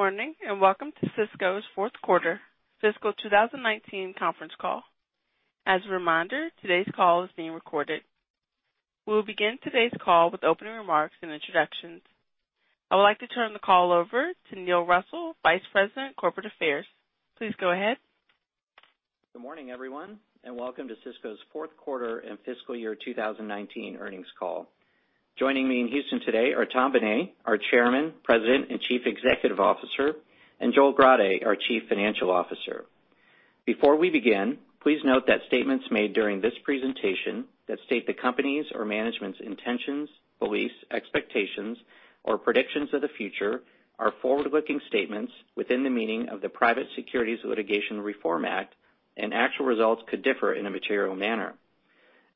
Good morning, and welcome to Sysco's fourth quarter fiscal 2019 conference call. As a reminder, today's call is being recorded. We will begin today's call with opening remarks and introductions. I would like to turn the call over to Neil Russell, Vice President, Corporate Affairs. Please go ahead. Good morning, everyone, and welcome to Sysco's fourth quarter and fiscal year 2019 earnings call. Joining me in Houston today are Tom Bené, our Chairman, President, and Chief Executive Officer, and Joel Grade, our Chief Financial Officer. Before we begin, please note that statements made during this presentation that state the company's or management's intentions, beliefs, expectations, or predictions of the future are forward-looking statements within the meaning of the Private Securities Litigation Reform Act, and actual results could differ in a material manner.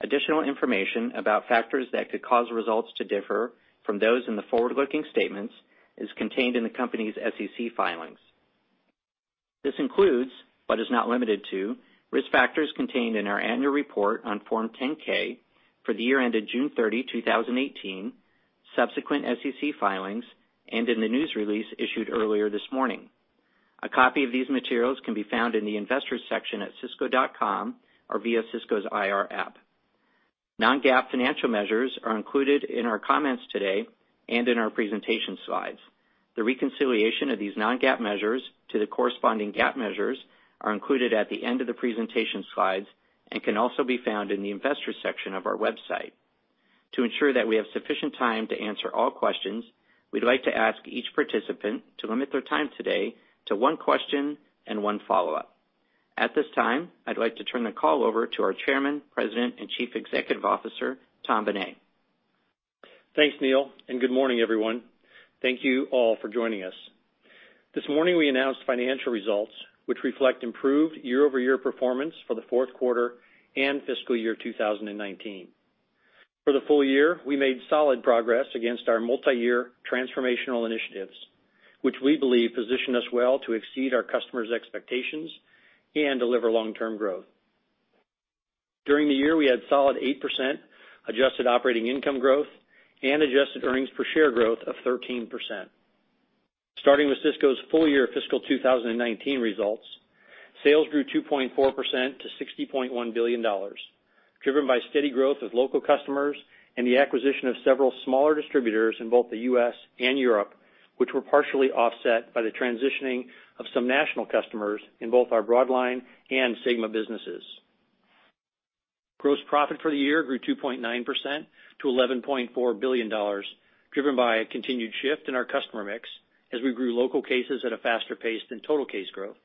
Additional information about factors that could cause results to differ from those in the forward-looking statements is contained in the company's SEC filings. This includes, but is not limited to, risk factors contained in our annual report on Form 10-K for the year ended June 30, 2018, subsequent SEC filings, and in the news release issued earlier this morning. A copy of these materials can be found in the Investors section at sysco.com or via Sysco's IR app. Non-GAAP financial measures are included in our comments today and in our presentation slides. The reconciliation of these non-GAAP measures to the corresponding GAAP measures are included at the end of the presentation slides and can also be found in the Investors section of our website. To ensure that we have sufficient time to answer all questions, we'd like to ask each participant to limit their time today to one question and one follow-up. At this time, I'd like to turn the call over to our Chairman, President, and Chief Executive Officer, Tom Bené. Thanks, Neil. Good morning, everyone. Thank you all for joining us. This morning, we announced financial results which reflect improved year-over-year performance for the fourth quarter and fiscal year 2019. For the full year, we made solid progress against our multi-year transformational initiatives, which we believe position us well to exceed our customers' expectations and deliver long-term growth. During the year, we had solid 8% adjusted operating income growth and adjusted earnings per share growth of 13%. Starting with Sysco's full-year fiscal 2019 results, sales grew 2.4% to $60.1 billion, driven by steady growth of local customers and the acquisition of several smaller distributors in both the U.S. and Europe, which were partially offset by the transitioning of some national customers in both our Broadline and Sygma businesses. Gross profit for the year grew 2.9% to $11.4 billion, driven by a continued shift in our customer mix as we grew local cases at a faster pace than total case growth.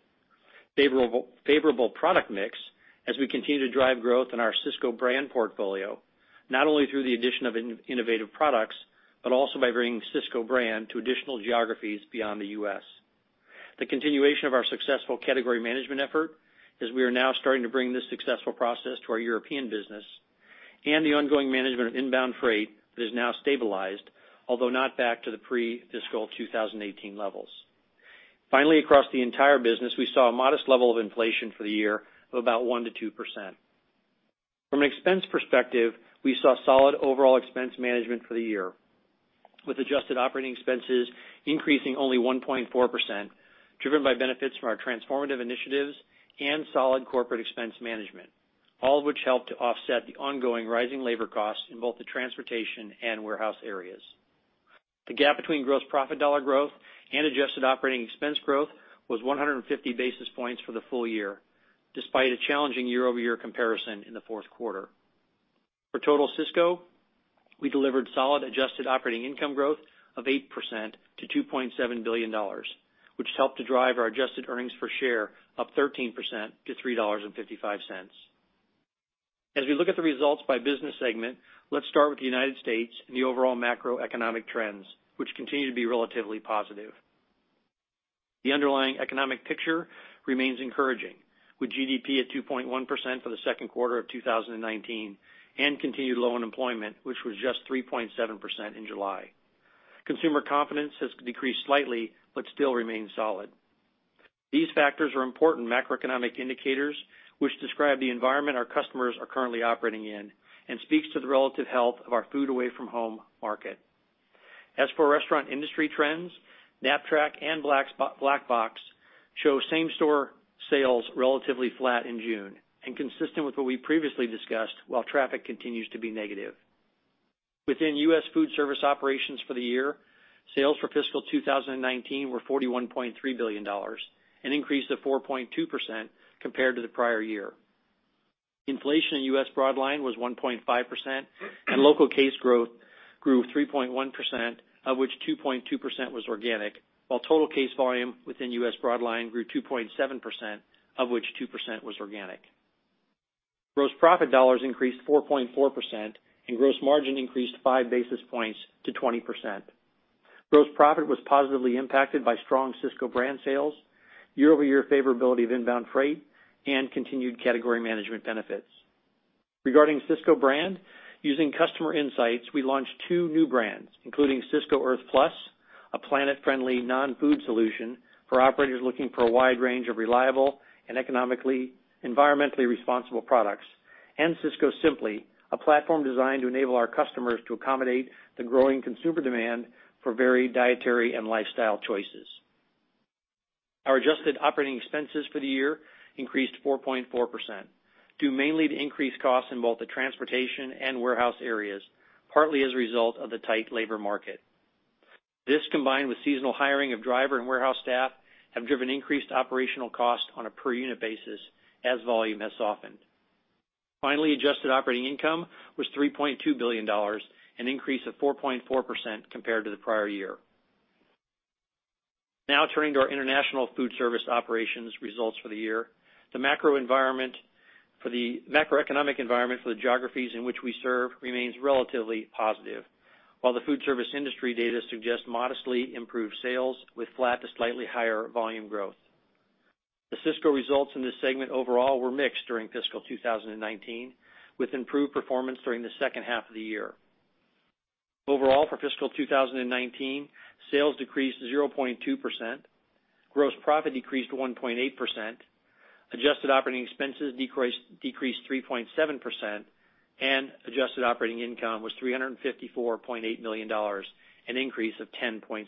Favorable product mix as we continue to drive growth in our Sysco Brand portfolio, not only through the addition of innovative products, but also by bringing Sysco Brand to additional geographies beyond the U.S. The continuation of our successful category management effort as we are now starting to bring this successful process to our European business and the ongoing management of inbound freight that is now stabilized, although not back to the pre-fiscal 2018 levels. Across the entire business, we saw a modest level of inflation for the year of about 1%-2%. From an expense perspective, we saw solid overall expense management for the year, with adjusted operating expenses increasing only 1.4%, driven by benefits from our transformative initiatives and solid corporate expense management, all of which helped to offset the ongoing rising labor costs in both the transportation and warehouse areas. The gap between gross profit dollar growth and adjusted operating expense growth was 150 basis points for the full year, despite a challenging year-over-year comparison in the fourth quarter. For total Sysco, we delivered solid adjusted operating income growth of 8% to $2.7 billion, which helped to drive our adjusted earnings per share up 13% to $3.55. As we look at the results by business segment, let's start with the United States and the overall macroeconomic trends, which continue to be relatively positive. The underlying economic picture remains encouraging, with GDP at 2.1% for the second quarter of 2019 and continued low unemployment, which was just 3.7% in July. Consumer confidence has decreased slightly but still remains solid. These factors are important macroeconomic indicators which describe the environment our customers are currently operating in and speaks to the relative health of our food away from home market. As for restaurant industry trends, Knapp-Track and Black Box show same-store sales relatively flat in June and consistent with what we previously discussed while traffic continues to be negative. Within U.S. Foodservice Operations for the year, sales for FY 2019 were $41.3 billion, an increase of 4.2% compared to the prior year. Inflation in U.S. Broadline was 1.5%, and local case growth grew 3.1%, of which 2.2% was organic, while total case volume within U.S. Broadline grew 2.7%, of which 2% was organic. Gross profit dollars increased 4.4%, and gross margin increased five basis points to 20%. Gross profit was positively impacted by strong Sysco Brand sales, year-over-year favorability of inbound freight, and continued category management benefits. Regarding Sysco Brand, using customer insights, we launched two new brands, including Sysco Earth Plus, a planet-friendly non-food solution for operators looking for a wide range of reliable and environmentally responsible products. Sysco Simply, a platform designed to enable our customers to accommodate the growing consumer demand for varied dietary and lifestyle choices. Our adjusted operating expenses for the year increased 4.4%, due mainly to increased costs in both the transportation and warehouse areas, partly as a result of the tight labor market. This, combined with seasonal hiring of driver and warehouse staff, have driven increased operational costs on a per unit basis as volume has softened. Adjusted operating income was $3.2 billion, an increase of 4.4% compared to the prior year. Turning to our international foodservice operations results for the year. The macroeconomic environment for the geographies in which we serve remains relatively positive. While the foodservice industry data suggests modestly improved sales with flat to slightly higher volume growth. The Sysco results in this segment overall were mixed during fiscal 2019, with improved performance during the second half of the year. Overall, for fiscal 2019, sales decreased 0.2%, gross profit decreased 1.8%, adjusted operating expenses decreased 3.7%, and adjusted operating income was $354.8 million, an increase of 10.7%.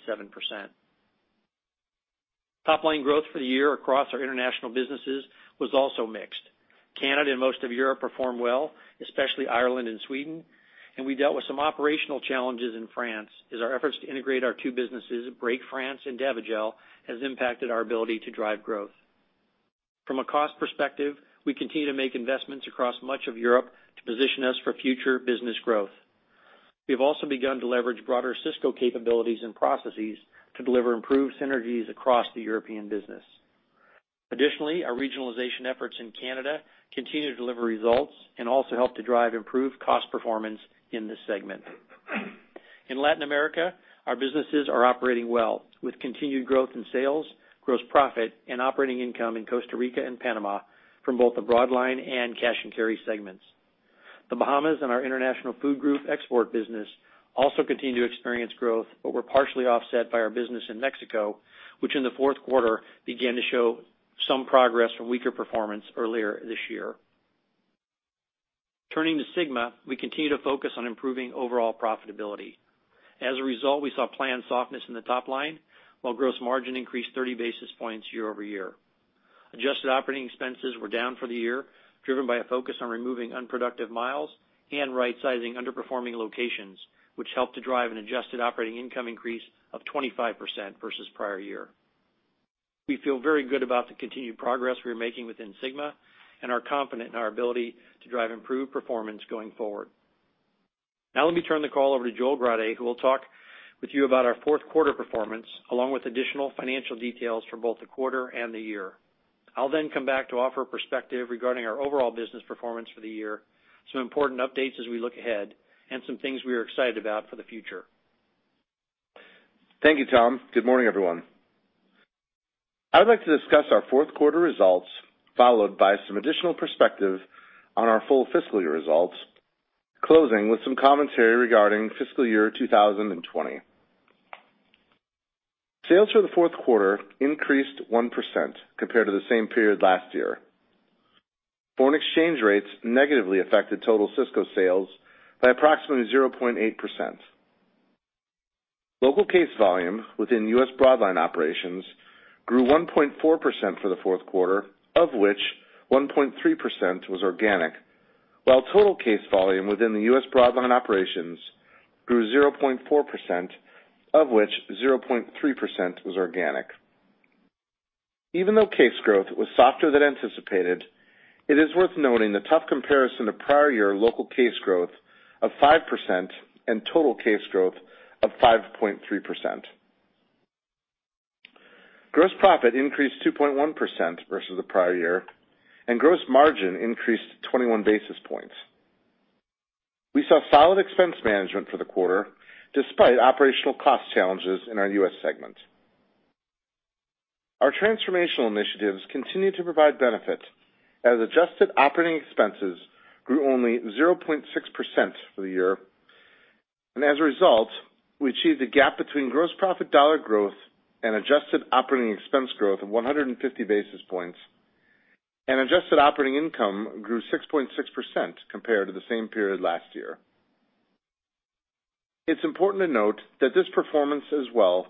Topline growth for the year across our international businesses was also mixed. Canada and most of Europe performed well, especially Ireland and Sweden, and we dealt with some operational challenges in France as our efforts to integrate our two businesses, Brake France and Davigel, has impacted our ability to drive growth. From a cost perspective, we continue to make investments across much of Europe to position us for future business growth. We have also begun to leverage broader Sysco capabilities and processes to deliver improved synergies across the European business. Additionally, our regionalization efforts in Canada continue to deliver results and also help to drive improved cost performance in this segment. In Latin America, our businesses are operating well, with continued growth in sales, gross profit and operating income in Costa Rica and Panama from both the Broadline and Cash and Carry segments. The Bahamas and our International Food Group export business also continue to experience growth, but were partially offset by our business in Mexico, which in the fourth quarter began to show some progress from weaker performance earlier this year. Turning to Sygma, we continue to focus on improving overall profitability. As a result, we saw planned softness in the top line, while gross margin increased 30 basis points year-over-year. Adjusted operating expenses were down for the year, driven by a focus on removing unproductive miles and rightsizing underperforming locations, which helped to drive an adjusted operating income increase of 25% versus prior year. We feel very good about the continued progress we are making within Sygma and are confident in our ability to drive improved performance going forward. Let me turn the call over to Joel Grade, who will talk with you about our fourth quarter performance, along with additional financial details for both the quarter and the year. I'll come back to offer perspective regarding our overall business performance for the year, some important updates as we look ahead, and some things we are excited about for the future. Thank you, Tom. Good morning, everyone. I'd like to discuss our fourth quarter results, followed by some additional perspective on our full fiscal year results, closing with some commentary regarding fiscal year 2020. Sales for the fourth quarter increased 1% compared to the same period last year. Foreign exchange rates negatively affected total Sysco sales by approximately 0.8%. Local case volume within U.S. Broadline operations grew 1.4% for the fourth quarter, of which 1.3% was organic, while total case volume within the U.S. Broadline operations grew 0.4%, of which 0.3% was organic. Even though case growth was softer than anticipated, it is worth noting the tough comparison to prior year local case growth of 5% and total case growth of 5.3%. Gross profit increased 2.1% versus the prior year, and gross margin increased 21 basis points. We saw solid expense management for the quarter, despite operational cost challenges in our U.S. segment. Our transformational initiatives continued to provide benefit, as adjusted operating expenses grew only 0.6% for the year. As a result, we achieved a gap between gross profit dollar growth and adjusted operating expense growth of 150 basis points, and adjusted operating income grew 6.6% compared to the same period last year. It's important to note that this performance as well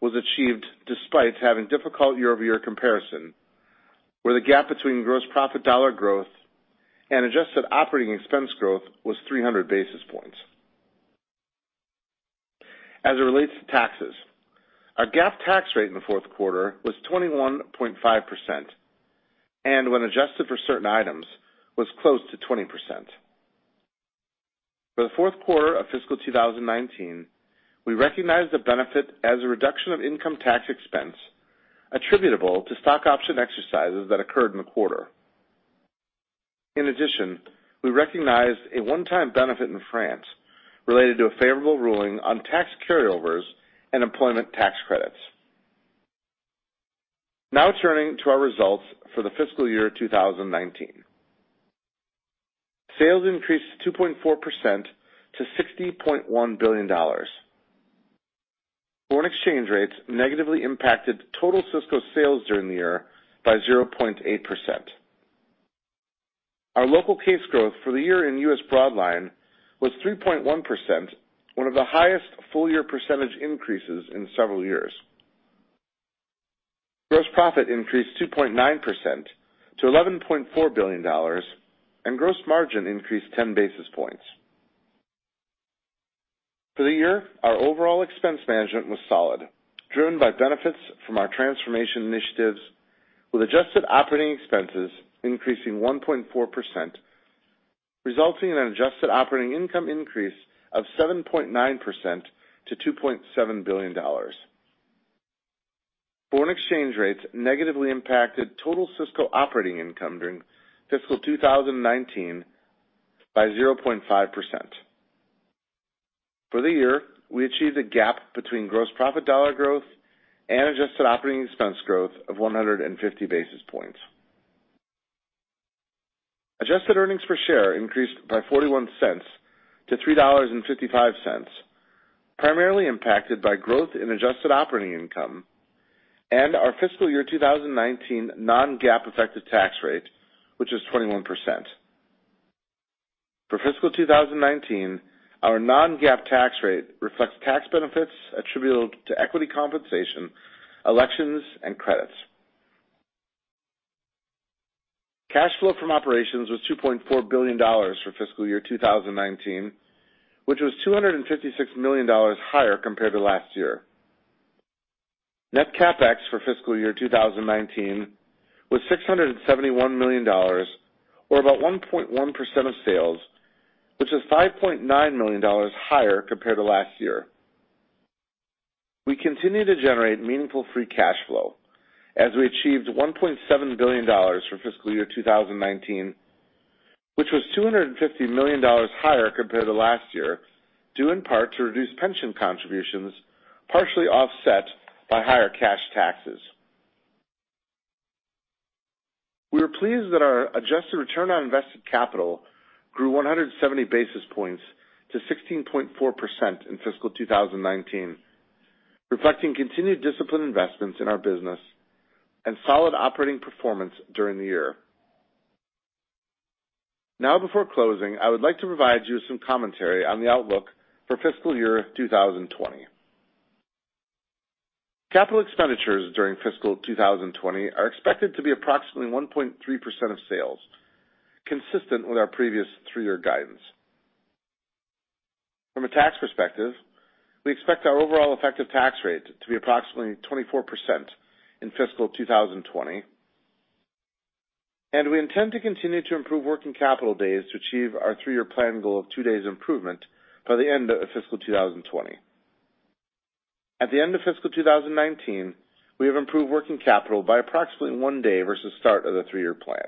was achieved despite having difficult year-over-year comparison, where the gap between gross profit dollar growth and adjusted operating expense growth was 300 basis points. As it relates to taxes, our GAAP tax rate in the fourth quarter was 21.5%, and when adjusted for certain items, was close to 20%. For the fourth quarter of fiscal 2019, we recognized the benefit as a reduction of income tax expense attributable to stock option exercises that occurred in the quarter. In addition, we recognized a one-time benefit in France related to a favorable ruling on tax carryovers and employment tax credits. Turning to our results for the fiscal year 2019. Sales increased 2.4% to $60.1 billion. Foreign exchange rates negatively impacted total Sysco sales during the year by 0.8%. Our local case growth for the year in U.S. Broadline was 3.1%, one of the highest full-year percentage increases in several years. Gross profit increased 2.9% to $11.4 billion, and gross margin increased 10 basis points. For the year, our overall expense management was solid, driven by benefits from our transformation initiatives, with adjusted operating expenses increasing 1.4%, resulting in an adjusted operating income increase of 7.9% to $2.7 billion. Foreign exchange rates negatively impacted total Sysco operating income during fiscal 2019 by 0.5%. For the year, we achieved a gap between gross profit dollar growth and adjusted operating expense growth of 150 basis points. Adjusted earnings per share increased by $0.41 to $3.55, primarily impacted by growth in adjusted operating income and our fiscal year 2019 non-GAAP effective tax rate, which was 21%. For fiscal 2019, our non-GAAP tax rate reflects tax benefits attributable to equity compensation, elections, and credits. Cash flow from operations was $2.4 billion for fiscal year 2019, which was $256 million higher compared to last year. Net CapEx for fiscal year 2019 was $671 million or about 1.1% of sales, which is $5.9 million higher compared to last year. We continue to generate meaningful free cash flow as we achieved $1.7 billion for fiscal year 2019, which was $250 million higher compared to last year, due in part to reduced pension contributions, partially offset by higher cash taxes. We are pleased that our adjusted return on invested capital grew 170 basis points to 16.4% in fiscal 2019, reflecting continued disciplined investments in our business and solid operating performance during the year. Now, before closing, I would like to provide you some commentary on the outlook for fiscal year 2020. Capital expenditures during fiscal 2020 are expected to be approximately 1.3% of sales, consistent with our previous three-year guidance. From a tax perspective, we expect our overall effective tax rate to be approximately 24% in fiscal 2020, and we intend to continue to improve working capital days to achieve our three-year plan goal of two days improvement by the end of fiscal 2020. At the end of fiscal 2019, we have improved working capital by approximately one day versus start of the three-year plan.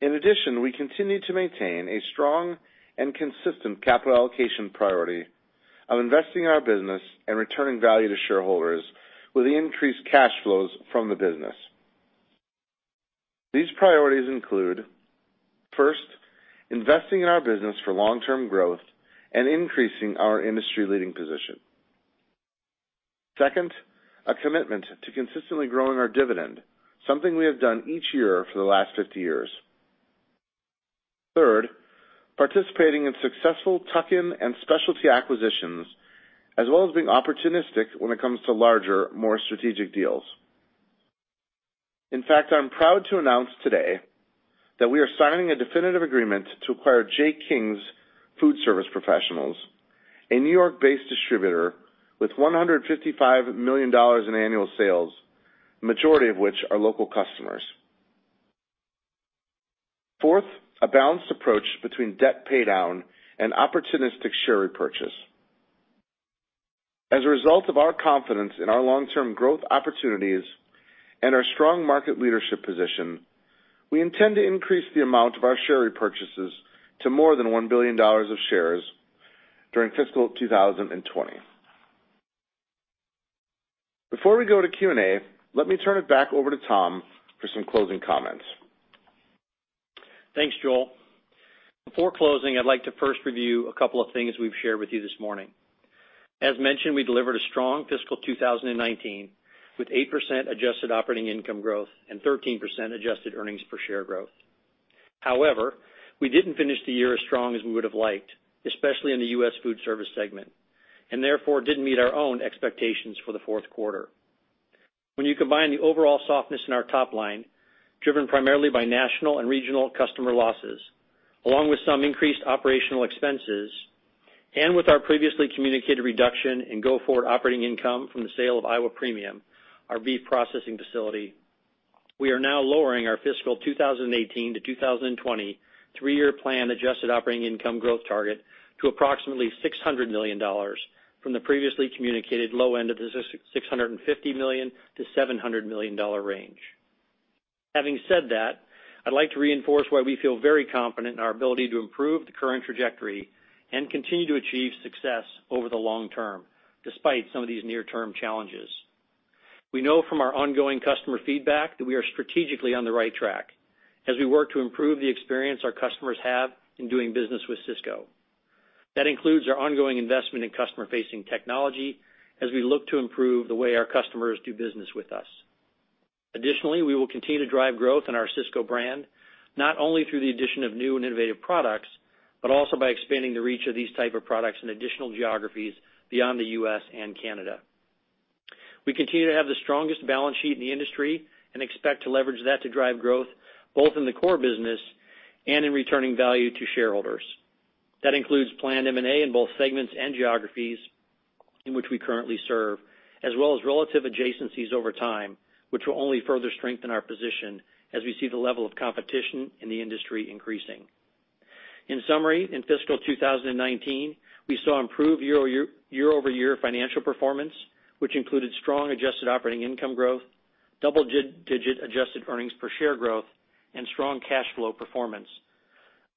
In addition, we continue to maintain a strong and consistent capital allocation priority of investing in our business and returning value to shareholders with increased cash flows from the business. These priorities include, first, investing in our business for long-term growth and increasing our industry-leading position. Second, a commitment to consistently growing our dividend, something we have done each year for the last 50 years. Third, participating in successful tuck-in and specialty acquisitions, as well as being opportunistic when it comes to larger, more strategic deals. In fact, I'm proud to announce today that we are signing a definitive agreement to acquire J. Kings Foodservice Professionals, a N.Y.-based distributor with $155 million in annual sales, majority of which are local customers. Fourth, a balanced approach between debt paydown and opportunistic share repurchase. As a result of our confidence in our long-term growth opportunities and our strong market leadership position, we intend to increase the amount of our share repurchases to more than $1 billion of shares during fiscal 2020. Before we go to Q&A, let me turn it back over to Tom for some closing comments. Thanks, Joel. Before closing, I'd like to first review a couple of things we've shared with you this morning. As mentioned, we delivered a strong fiscal 2019 with 8% adjusted operating income growth and 13% adjusted earnings per share growth. However, we didn't finish the year as strong as we would have liked, especially in the U.S. Foodservice segment, and therefore, didn't meet our own expectations for the fourth quarter. When you combine the overall softness in our top line, driven primarily by national and regional customer losses, along with some increased operational expenses, and with our previously communicated reduction in go-forward operating income from the sale of Iowa Premium, our beef processing facility, we are now lowering our fiscal 2018 to 2020 three-year plan adjusted operating income growth target to approximately $600 million from the previously communicated low end of the $650 million to $700 million range. Having said that, I'd like to reinforce why we feel very confident in our ability to improve the current trajectory and continue to achieve success over the long term, despite some of these near-term challenges. We know from our ongoing customer feedback that we are strategically on the right track as we work to improve the experience our customers have in doing business with Sysco. That includes our ongoing investment in customer-facing technology as we look to improve the way our customers do business with us. Additionally, we will continue to drive growth in our Sysco Brand, not only through the addition of new and innovative products, but also by expanding the reach of these type of products in additional geographies beyond the U.S. and Canada. We continue to have the strongest balance sheet in the industry and expect to leverage that to drive growth both in the core business and in returning value to shareholders. That includes planned M&A in both segments and geographies in which we currently serve, as well as relative adjacencies over time, which will only further strengthen our position as we see the level of competition in the industry increasing. In summary, in fiscal 2019, we saw improved year-over-year financial performance, which included strong adjusted operating income growth, double-digit adjusted earnings per share growth, and strong cash flow performance,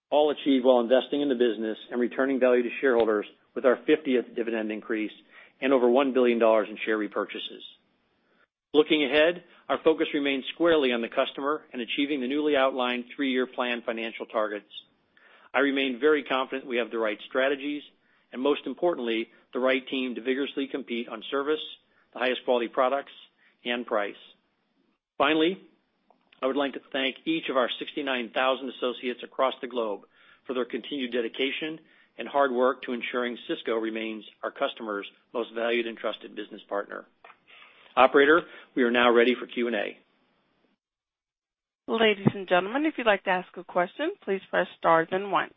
all achieved while investing in the business and returning value to shareholders with our 50th dividend increase and over $1 billion in share repurchases. Looking ahead, our focus remains squarely on the customer and achieving the newly outlined three-year plan financial targets. I remain very confident we have the right strategies and, most importantly, the right team to vigorously compete on service, the highest quality products, and price. Finally, I would like to thank each of our 69,000 associates across the globe for their continued dedication and hard work to ensuring Sysco remains our customers' most valued and trusted business partner. Operator, we are now ready for Q&A. Ladies and gentlemen, if you'd like to ask a question, please press star then one.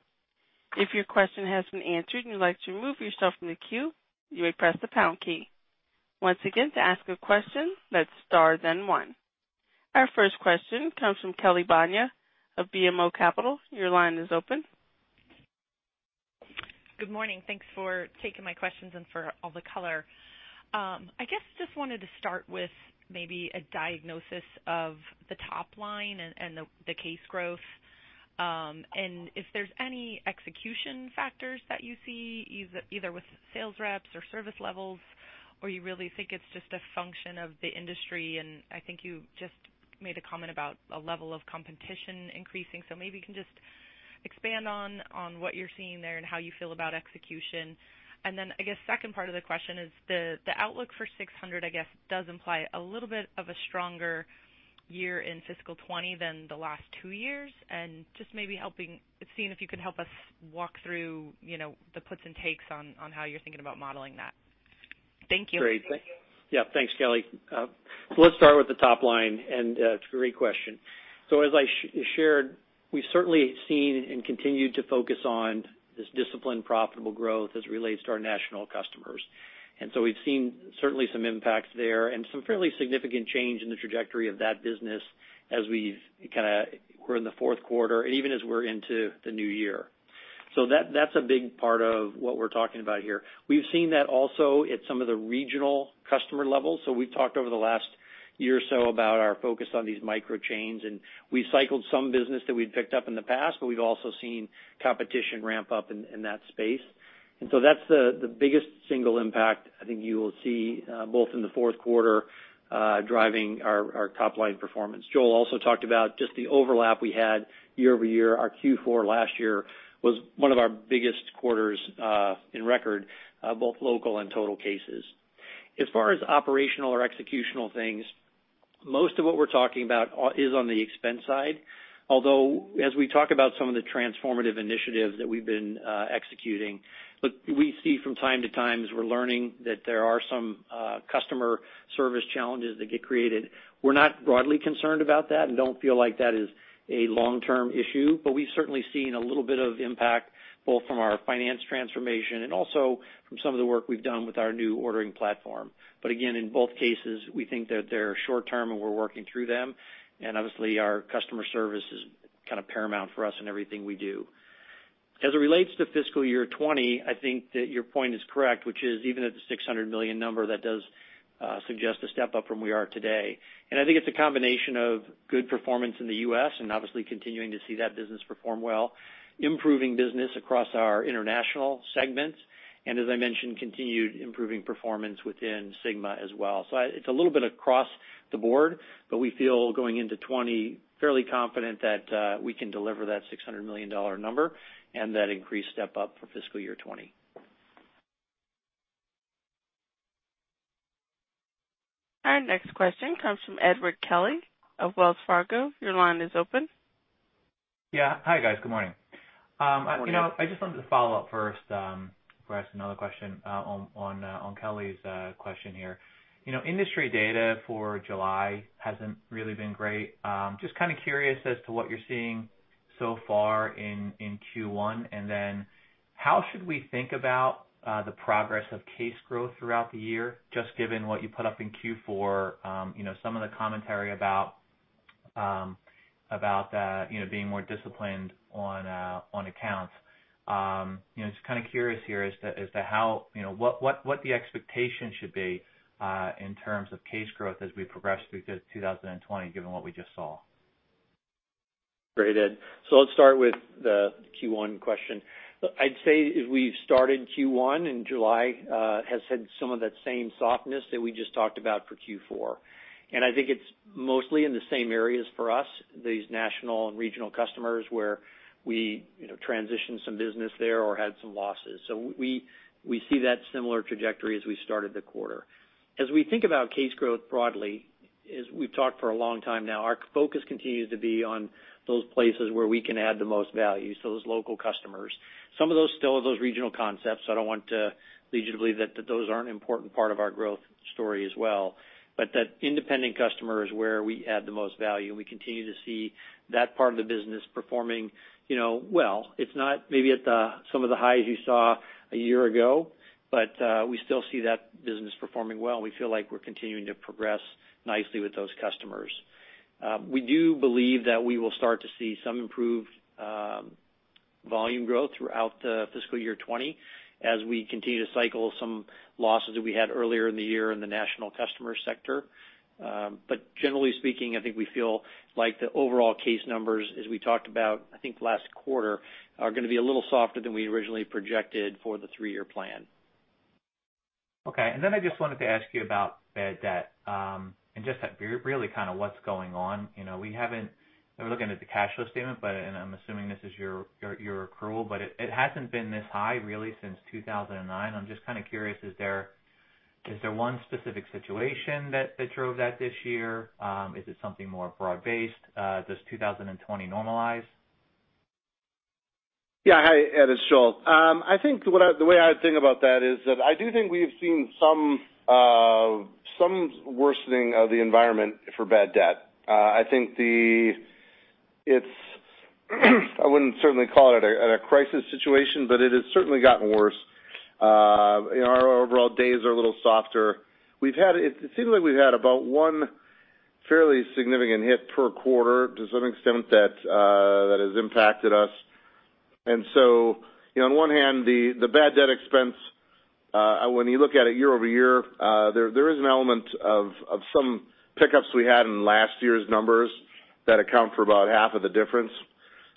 If your question has been answered and you'd like to remove yourself from the queue, you may press the pound key. Once again, to ask a question, that's star then one. Our first question comes from Kelly Bania of BMO Capital. Your line is open. Good morning. Thanks for taking my questions and for all the color. I just wanted to start with maybe a diagnosis of the top line and the case growth, and if there's any execution factors that you see, either with sales reps or service levels, or you really think it's just a function of the industry. I think you just made a comment about a level of competition increasing. Maybe you can just expand on what you're seeing there and how you feel about execution. Second part of the question is the outlook for 600, I guess, does imply a little bit of a stronger year in FY 2020 than the last two years. Just maybe seeing if you could help us walk through the puts and takes on how you're thinking about modeling that. Thank you. Great. Yeah, thanks, Kelly. Let's start with the top line, and it's a great question. As I shared, we've certainly seen and continued to focus on this disciplined, profitable growth as it relates to our national customers. We've seen certainly some impacts there and some fairly significant change in the trajectory of that business as we're in the fourth quarter, and even as we're into the new year. That's a big part of what we're talking about here. We've seen that also at some of the regional customer levels. We've talked over the last year or so about our focus on these micro-chains, and we've cycled some business that we've picked up in the past, but we've also seen competition ramp up in that space. That's the biggest single impact I think you will see, both in the fourth quarter, driving our top-line performance. Joel also talked about just the overlap we had year-over-year. Our Q4 last year was one of our biggest quarters in record, both local and total cases. As far as operational or executional things, most of what we're talking about is on the expense side, although as we talk about some of the transformative initiatives that we've been executing. We see from time to time, as we're learning, that there are some customer service challenges that get created. We're not broadly concerned about that and don't feel like that is a long-term issue, but we've certainly seen a little bit of impact both from our finance transformation and also from some of the work we've done with our new ordering platform. Again, in both cases, we think that they're short-term and we're working through them. Obviously, our customer service is paramount for us in everything we do. As it relates to fiscal year 2020, I think that your point is correct, which is even at the $600 million number, that does suggest a step-up from where we are today. I think it's a combination of good performance in the U.S. and obviously continuing to see that business perform well, improving business across our international segments, and as I mentioned, continued improving performance within Sygma as well. It's a little bit across the board, but we feel going into 2020 fairly confident that we can deliver that $600 million number and that increased step-up for fiscal year 2020. Our next question comes from Edward Kelly of Wells Fargo. Your line is open. Yeah. Hi, guys. Good morning. Good morning. I just wanted to follow up first before I ask another question on Kelly's question here. Industry data for July hasn't really been great. Just kind of curious as to what you're seeing so far in Q1, and then how should we think about the progress of case growth throughout the year, just given what you put up in Q4, some of the commentary about being more disciplined on accounts. Just kind of curious here as to what the expectation should be in terms of case growth as we progress through to 2020, given what we just saw. Great, Ed. Let's start with the Q1 question. I'd say as we've started Q1 in July, has had some of that same softness that we just talked about for Q4. I think it's mostly in the same areas for us, these national and regional customers where we transitioned some business there or had some losses. We see that similar trajectory as we started the quarter. As we think about case growth broadly, as we've talked for a long time now, our focus continues to be on those places where we can add the most value, so those local customers. Some of those still have those regional concepts. I don't want to lead you to believe that those aren't an important part of our growth story as well. That independent customer is where we add the most value, and we continue to see that part of the business performing well. It's not maybe at some of the highs you saw a year ago. We still see that business performing well, and we feel like we're continuing to progress nicely with those customers. We do believe that we will start to see some improved volume growth throughout fiscal year 2020 as we continue to cycle some losses that we had earlier in the year in the national customer sector. Generally speaking, I think we feel like the overall case numbers, as we talked about, I think, last quarter, are going to be a little softer than we originally projected for the three-year plan. Okay, I just wanted to ask you about bad debt, and just really what's going on. We were looking at the cash flow statement, I'm assuming this is your accrual, it hasn't been this high, really, since 2009. I'm just curious, is there one specific situation that drove that this year? Is it something more broad-based? Does 2020 normalize? Hi, Ed. It's Joel. I think the way I would think about that is that I do think we've seen some worsening of the environment for bad debt. I wouldn't certainly call it a crisis situation, but it has certainly gotten worse. Our overall days are a little softer. It seems like we've had about one fairly significant hit per quarter to some extent that has impacted us. On one hand, the bad debt expense, when you look at it year-over-year, there is an element of some pickups we had in last year's numbers that account for about half of the difference.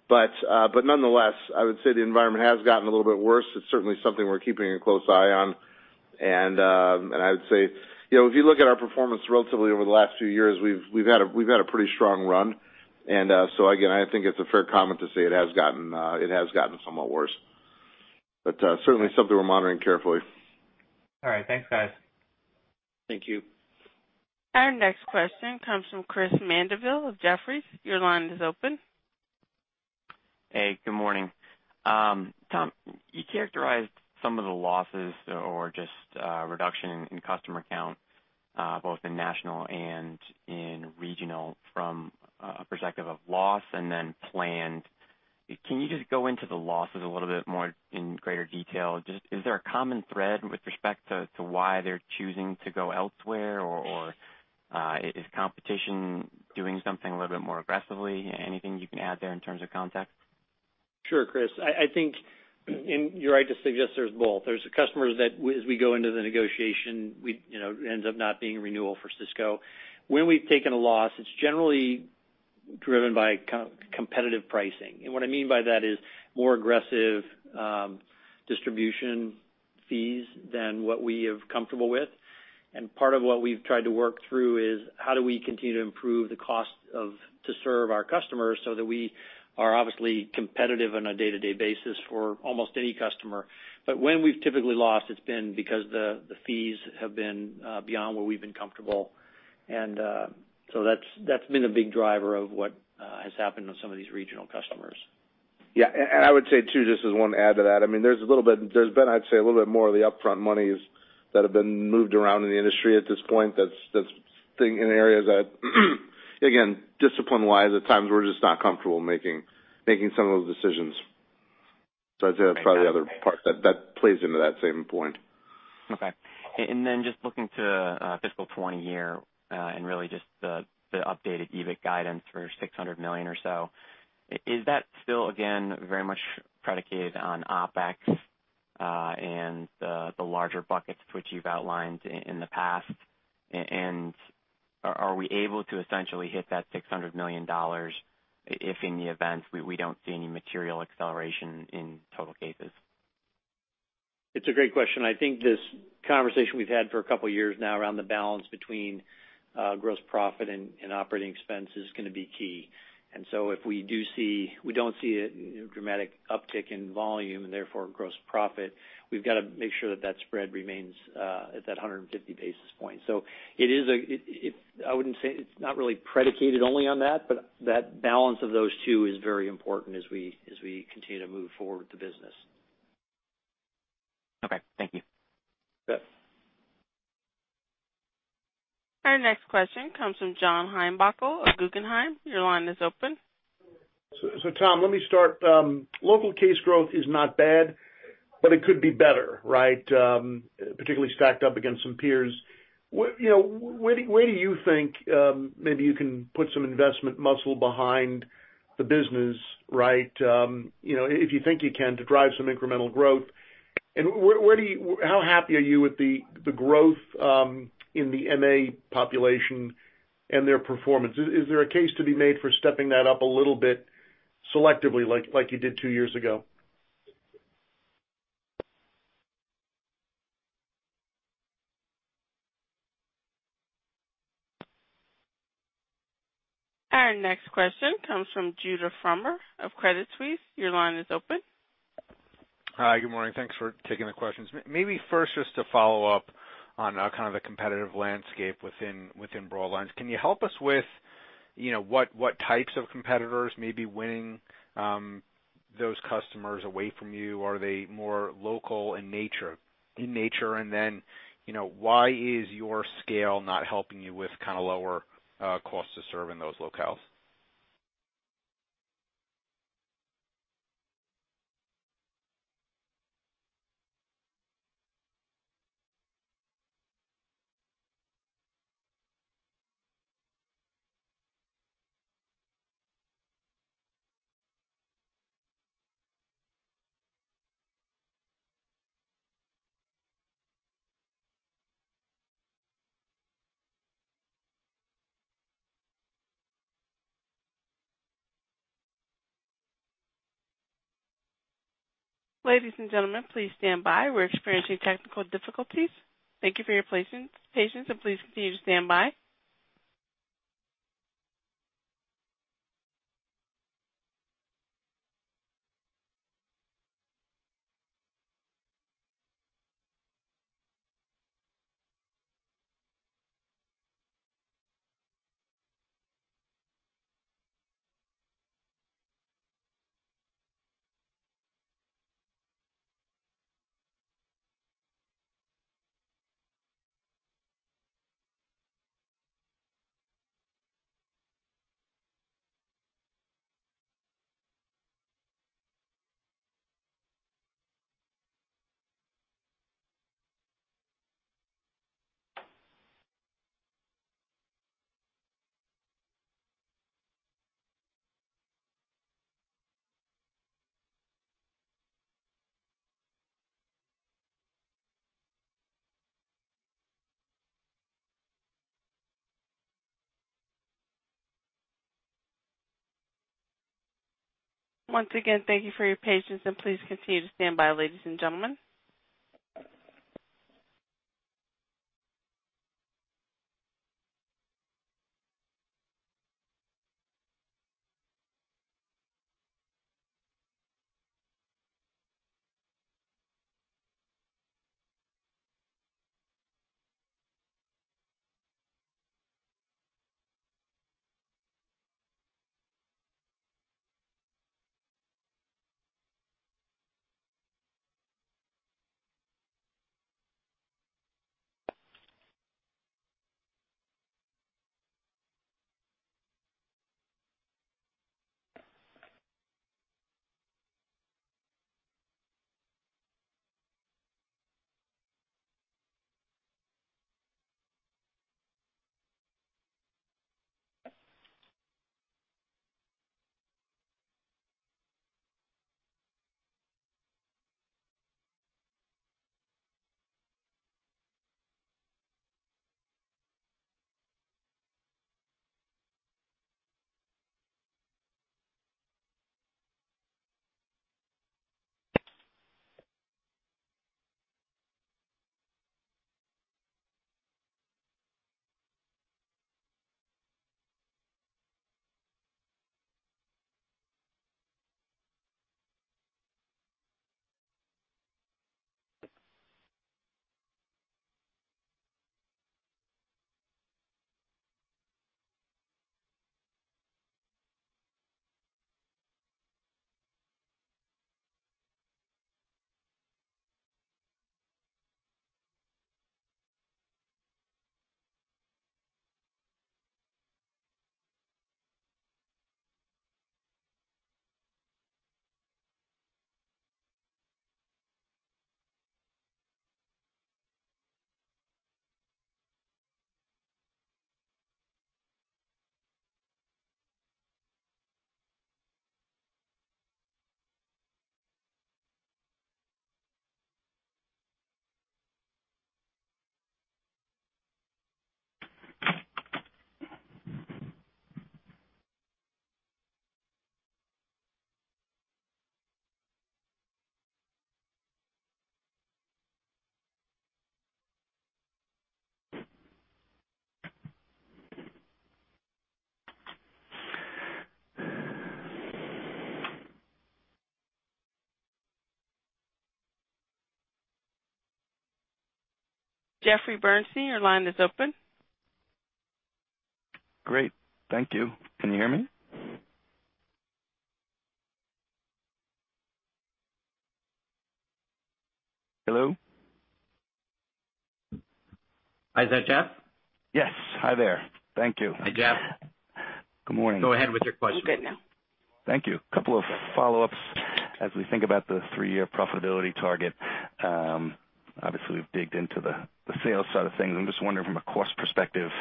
Nonetheless, I would say the environment has gotten a little bit worse. It's certainly something we're keeping a close eye on. I would say, if you look at our performance relatively over the last few years, we've had a pretty strong run. Again, I think it's a fair comment to say it has gotten somewhat worse. Certainly something we're monitoring carefully. All right. Thanks, guys. Thank you. Our next question comes from Chris Mandeville of Jefferies. Your line is open. Hey, good morning. Tom, you characterized some of the losses or just reduction in customer count, both in national and in regional from a perspective of loss and then planned. Can you just go into the losses a little bit more in greater detail? Just is there a common thread with respect to why they're choosing to go elsewhere, or is competition doing something a little bit more aggressively? Anything you can add there in terms of context? Sure, Chris. I think you're right to suggest there's both. There's the customers that, as we go into the negotiation, ends up not being a renewal for Sysco. When we've taken a loss, it's generally driven by competitive pricing. What I mean by that is more aggressive distribution fees than what we are comfortable with. Part of what we've tried to work through is how do we continue to improve the cost to serve our customers so that we are obviously competitive on a day-to-day basis for almost any customer. When we've typically lost, it's been because the fees have been beyond where we've been comfortable. That's been a big driver of what has happened with some of these regional customers. Yeah. I would say, too, just as one add to that, there's been, I'd say, a little bit more of the upfront monies that have been moved around in the industry at this point that's staying in areas that, again, discipline-wise, at times we're just not comfortable making some of those decisions. I'd say that's probably the other part that plays into that same point. Okay. Just looking to FY20, really just the updated EBIT guidance for $600 million or so, is that still, again, very much predicated on OpEx, and the larger buckets which you've outlined in the past? Are we able to essentially hit that $600 million if in the event we don't see any material acceleration in total cases? It's a great question. I think this conversation we've had for a couple of years now around the balance between gross profit and operating expense is going to be key. If we don't see a dramatic uptick in volume and therefore gross profit, we've got to make sure that spread remains at that 150 basis point. It's not really predicated only on that, but that balance of those two is very important as we continue to move forward with the business. Okay. Thank you. Yes. Our next question comes from John Heinbockel of Guggenheim. Your line is open. Tom, let me start. Local case growth is not bad, but it could be better, right? Particularly stacked up against some peers. Where do you think maybe you can put some investment muscle behind the business, if you think you can, to drive some incremental growth? How happy are you with the growth in the MA population and their performance? Is there a case to be made for stepping that up a little bit selectively, like you did two years ago? Our next question comes from Judah Frommer of Credit Suisse. Your line is open. Hi. Good morning. Thanks for taking the questions. Maybe first, just to follow up on kind of the competitive landscape within Broadline. Can you help us with what types of competitors may be winning those customers away from you? Are they more local in nature? Then, why is your scale not helping you with lower costs to serve in those locales? Ladies and gentlemen, please stand by. We're experiencing technical difficulties. Thank you for your patience, and please continue to stand by. Once again, thank you for your patience, and please continue to stand by, ladies and gentlemen. Jeffrey Bernstein, your line is open. Great. Thank you. Can you hear me? Hello? Hi. Is that Jeff? Yes. Hi there. Thank you. Hi, Jeff. Good morning. Go ahead with your question. You're good now. Thank you. Couple of follow-ups. As we think about the three-year profitability target, obviously we've digged into the sales side of things. I'm just wondering from a cost perspective.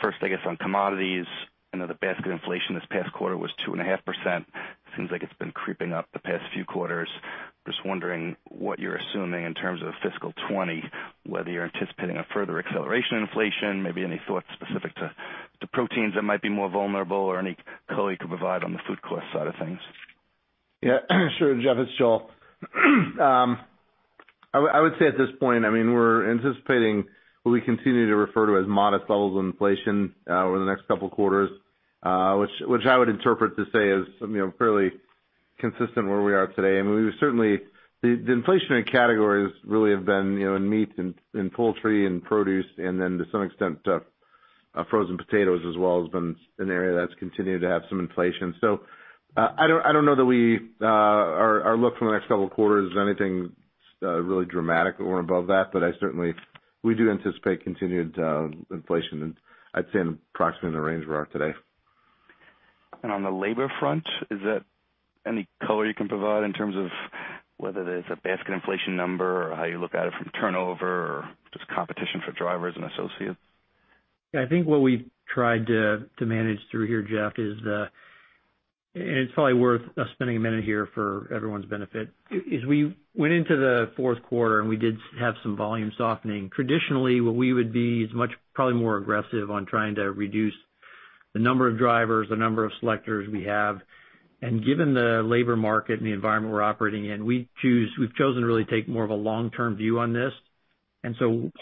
First, I guess, on commodities, I know the basket inflation this past quarter was 2.5%. Seems like it's been creeping up the past few quarters. Just wondering what you're assuming in terms of FY 2020, whether you're anticipating a further acceleration inflation, maybe any thoughts specific to the proteins that might be more vulnerable or any color you could provide on the food cost side of things. Yeah, sure, Jeff. It's Joel. I would say at this point, we're anticipating what we continue to refer to as modest levels of inflation over the next couple of quarters, which I would interpret to say is fairly consistent where we are today. The inflationary categories really have been in meat and poultry and produce, and then to some extent, frozen potatoes as well, has been an area that's continued to have some inflation. I don't know that our look for the next couple of quarters is anything really dramatic or above that. We do anticipate continued inflation, and I'd say in approximately the range we are today. On the labor front, is there any color you can provide in terms of whether there's a basket inflation number or how you look at it from turnover or just competition for drivers and associates? Yeah, I think what we've tried to manage through here, Jeffrey, is, and it's probably worth us spending a minute here for everyone's benefit, is we went into the fourth quarter. We did have some volume softening. Traditionally, what we would be is much, probably more aggressive on trying to reduce the number of drivers, the number of selectors we have. Given the labor market and the environment we're operating in, we've chosen to really take more of a long-term view on this.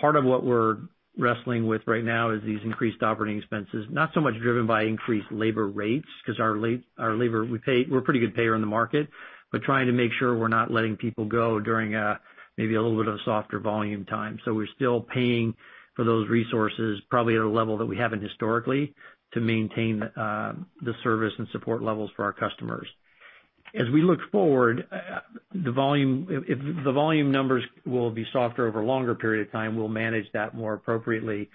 Part of what we're wrestling with right now is these increased operating expenses, not so much driven by increased labor rates, because our labor, we're a pretty good payer on the market, but trying to make sure we're not letting people go during maybe a little bit of a softer volume time. We're still paying for those resources, probably at a level that we haven't historically, to maintain the service and support levels for our customers. As we look forward, if the volume numbers will be softer over a longer period of time, we'll manage that more appropriately.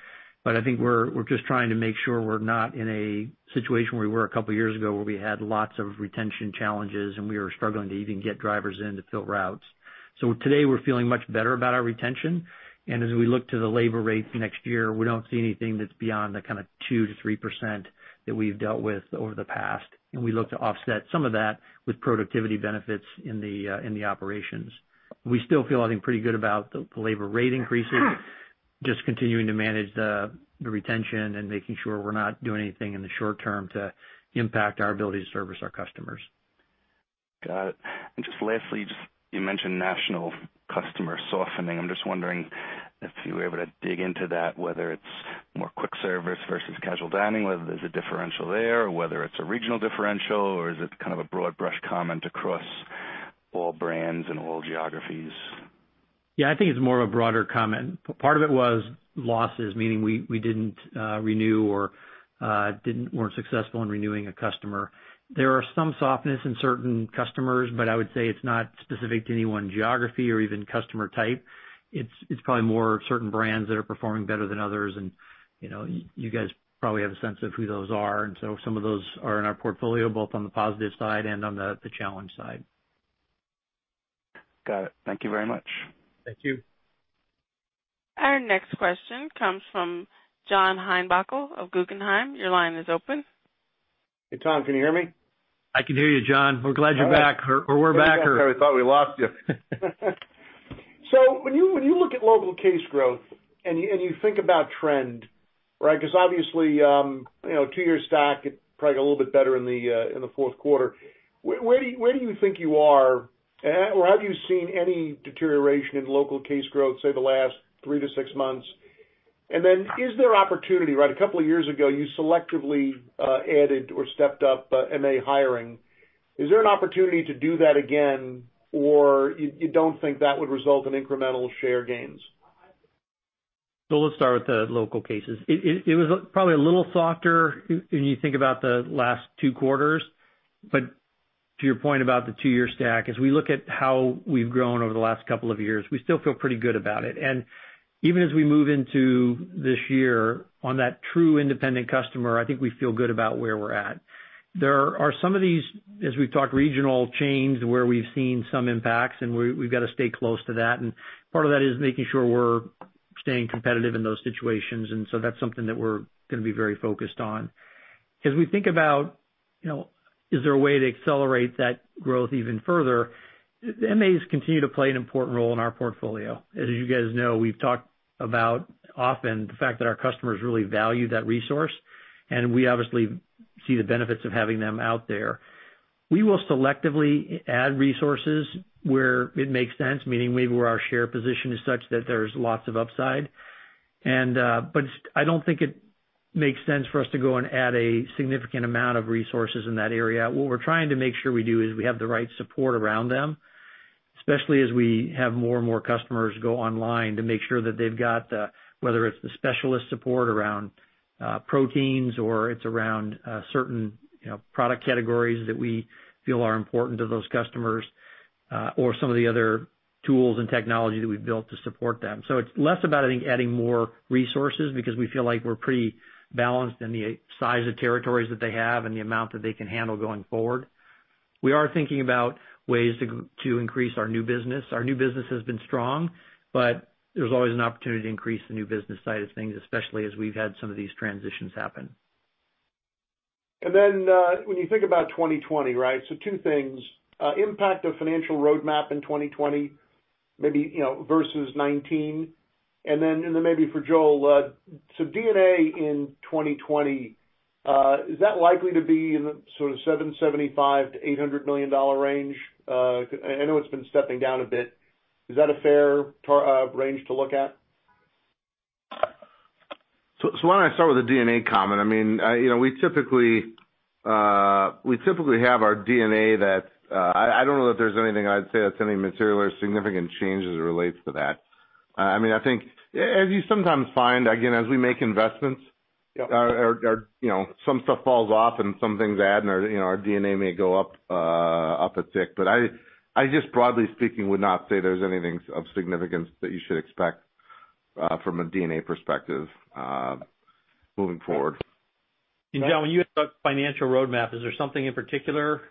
I think we're just trying to make sure we're not in a situation where we were a couple of years ago where we had lots of retention challenges, and we were struggling to even get drivers in to fill routes. Today, we're feeling much better about our retention. As we look to the labor rates next year, we don't see anything that's beyond the kind of 2%-3% that we've dealt with over the past. We look to offset some of that with productivity benefits in the operations. We still feel, I think, pretty good about the labor rate increases, just continuing to manage the retention and making sure we're not doing anything in the short term to impact our ability to service our customers. Got it. Just lastly, you mentioned national customer softening. I'm just wondering if you were able to dig into that, whether it's more quick service versus casual dining, whether there's a differential there, or whether it's a regional differential, or is it kind of a broad brush comment across all brands and all geographies? Yeah, I think it's more of a broader comment. Part of it was losses, meaning we didn't renew or weren't successful in renewing a customer. There are some softness in certain customers, but I would say it's not specific to any one geography or even customer type. It's probably more certain brands that are performing better than others, and you guys probably have a sense of who those are, and so some of those are in our portfolio, both on the positive side and on the challenge side. Got it. Thank you very much. Thank you. Our next question comes from John Heinbockel of Guggenheim. Your line is open. Hey, Tom, can you hear me? I can hear you, John. We're glad you're back, or we're back. We thought we lost you. When you look at local case growth and you think about trend, because obviously, two-year stack, it probably got a little bit better in the fourth quarter. Where do you think you are? Have you seen any deterioration in local case growth, say, the last three to six months? Is there opportunity? A couple of years ago, you selectively added or stepped up MA hiring. Is there an opportunity to do that again, or you don't think that would result in incremental share gains? Let's start with the local cases. It was probably a little softer when you think about the last two quarters. To your point about the two-year stack, as we look at how we've grown over the last couple of years, we still feel pretty good about it. Even as we move into this year on that true independent customer, I think we feel good about where we're at. There are some of these, as we've talked, regional chains where we've seen some impacts, and we've got to stay close to that, and part of that is making sure we're staying competitive in those situations. That's something that we're going to be very focused on. As we think about, is there a way to accelerate that growth even further? MAs continue to play an important role in our portfolio. As you guys know, we've talked about often the fact that our customers really value that resource, and we obviously see the benefits of having them out there. We will selectively add resources where it makes sense, meaning maybe where our share position is such that there's lots of upside. I don't think it makes sense for us to go and add a significant amount of resources in that area. What we're trying to make sure we do is we have the right support around them, especially as we have more and more customers go online to make sure that they've got, whether it's the specialist support around proteins or it's around certain product categories that we feel are important to those customers, or some of the other tools and technology that we've built to support them. It's less about, I think, adding more resources because we feel like we're pretty balanced in the size of territories that they have and the amount that they can handle going forward. We are thinking about ways to increase our new business. Our new business has been strong, but there's always an opportunity to increase the new business side of things, especially as we've had some of these transitions happen. When you think about 2020, right? Two things. Impact of financial roadmap in 2020, maybe versus 2019. Maybe for Joel, D&A in 2020, is that likely to be in the sort of $775 million to $800 million range? I know it's been stepping down a bit. Is that a fair range to look at? Why don't I start with the D&A comment? We typically have our D&A. I don't know that there's anything I'd say that's any material or significant change as it relates to that. I think as you sometimes find, again, as we make investments. Yep some stuff falls off and some things add, and our D&A may go up a tick. I just, broadly speaking, would not say there's anything of significance that you should expect from a D&A perspective moving forward. John, when you had the financial roadmap, is there something in particular?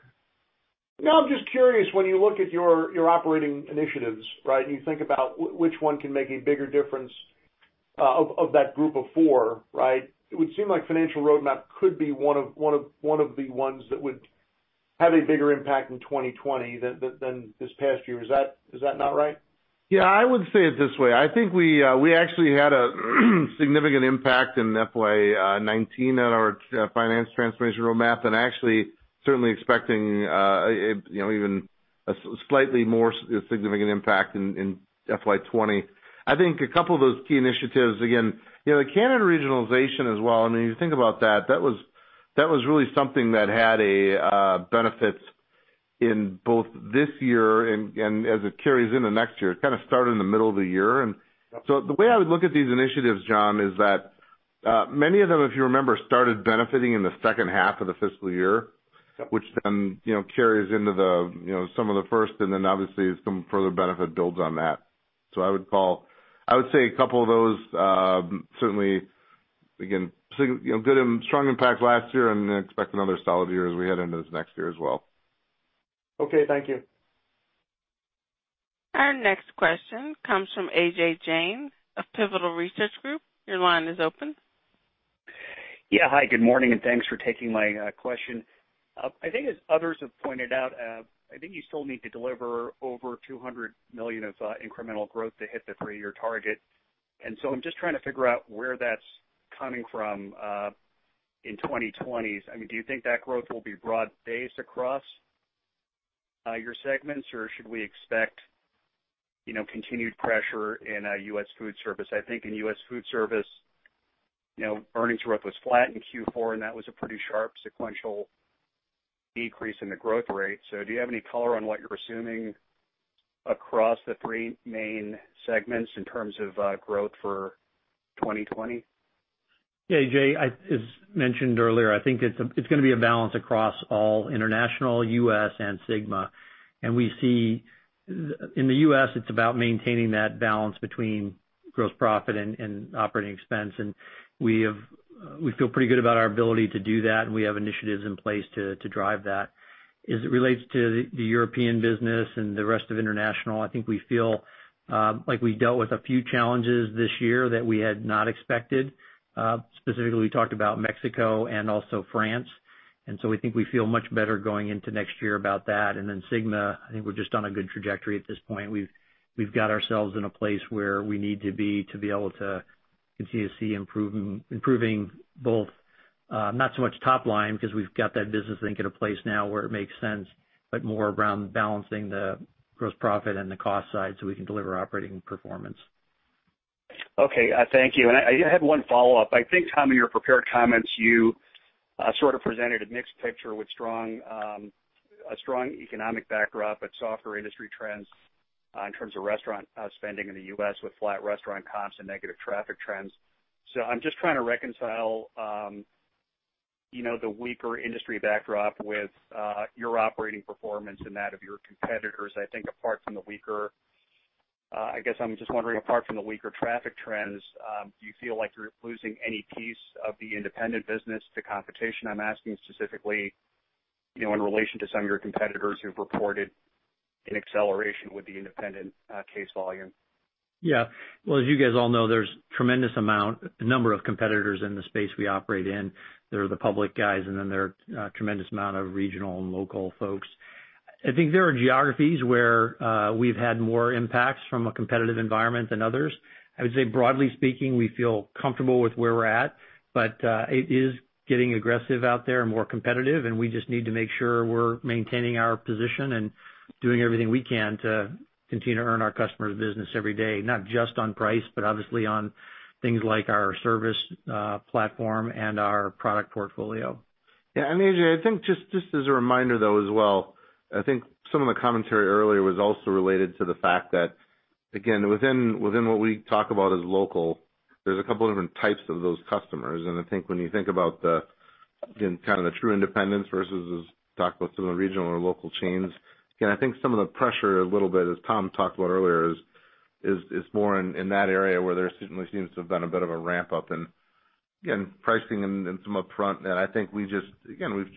No, I'm just curious, when you look at your operating initiatives, right? You think about which one can make a bigger difference of that group of four, right? It would seem like financial roadmap could be one of the ones that would have a bigger impact in 2020 than this past year. Is that not right? Yeah, I would say it this way. I think we actually had a significant impact in FY '19 on our finance transformation roadmap, and actually certainly expecting even a slightly more significant impact in FY 2020. I think a couple of those key initiatives, again, the Canada regionalization as well, when you think about that was really something that had a benefit in both this year and as it carries into next year. It kind of started in the middle of the year. Yep. The way I would look at these initiatives, John, is that many of them, if you remember, started benefiting in the second half of the fiscal year. Yep. Which then carries into some of the first, and then obviously some further benefit builds on that. I would say a couple of those certainly, again, strong impact last year and expect another solid year as we head into this next year as well. Okay. Thank you. Our next question comes from A.J. Jaynes of Pivotal Research Group. Your line is open. Yeah. Hi, good morning, and thanks for taking my question. I think as others have pointed out, I think you still need to deliver over $200 million of incremental growth to hit the three-year target. I'm just trying to figure out where that's coming from in 2020. Do you think that growth will be broad-based across your segments, or should we expect continued pressure in U.S. food service? I think in U.S. food service, earnings growth was flat in Q4, and that was a pretty sharp sequential decrease in the growth rate. Do you have any color on what you're assuming across the three main segments in terms of growth for 2020? Yeah, A.J., as mentioned earlier, I think it's going to be a balance across all international, U.S., and Sygma. We see in the U.S., it's about maintaining that balance between gross profit and operating expense. We feel pretty good about our ability to do that, and we have initiatives in place to drive that. As it relates to the European business and the rest of international, I think we feel like we dealt with a few challenges this year that we had not expected. Specifically, we talked about Mexico and also France. So we think we feel much better going into next year about that. Sygma, I think we're just on a good trajectory at this point. We've got ourselves in a place where we need to be to be able to continue to see improving both, not so much top line, because we've got that business, I think, at a place now where it makes sense, but more around balancing the gross profit and the cost side so we can deliver operating performance. Okay. Thank you. I had one follow-up. I think, Tom, in your prepared comments, you sort of presented a mixed picture with a strong economic backdrop, but softer industry trends in terms of restaurant spending in the U.S. with flat restaurant comps and negative traffic trends. I'm just trying to reconcile the weaker industry backdrop with your operating performance and that of your competitors. I guess I'm just wondering, apart from the weaker traffic trends, do you feel like you're losing any piece of the independent business to competition? I'm asking specifically in relation to some of your competitors who've reported an acceleration with the independent case volume. Yeah. Well, as you guys all know, there's tremendous number of competitors in the space we operate in. There are the public guys, and then there are a tremendous amount of regional and local folks. I think there are geographies where we've had more impacts from a competitive environment than others. I would say, broadly speaking, we feel comfortable with where we're at, but it is getting aggressive out there and more competitive, and we just need to make sure we're maintaining our position and doing everything we can to continue to earn our customers business every day, not just on price, but obviously on things like our service platform and our product portfolio. Yeah. A.J., I think just as a reminder, though, as well, I think some of the commentary earlier was also related to the fact that, again, within what we talk about as local, there's a couple different types of those customers. I think when you think about the true independents versus as we talked about some of the regional or local chains, again, I think some of the pressure a little bit, as Tom talked about earlier, is more in that area where there certainly seems to have been a bit of a ramp up in pricing and some upfront. I think we just, again,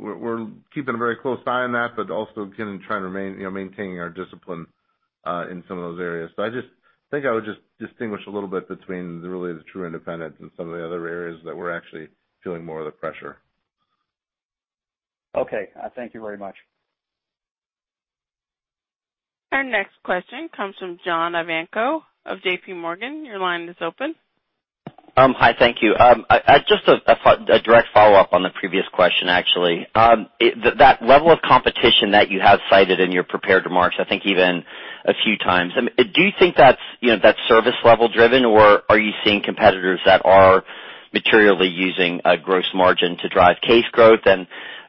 we're keeping a very close eye on that, but also again, trying to maintaining our discipline in some of those areas. I just think I would just distinguish a little bit between really the true independents and some of the other areas that we're actually feeling more of the pressure. Okay. Thank you very much. Our next question comes from John Ivankoe of J.P. Morgan. Your line is open. Hi, thank you. Just a direct follow-up on the previous question, actually. That level of competition that you have cited in your prepared remarks, I think even a few times. Do you think that's service level driven, or are you seeing competitors that are materially using gross margin to drive case growth?